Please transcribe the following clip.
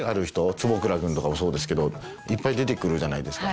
坪倉君とかもそうですけどいっぱい出て来るじゃないですか。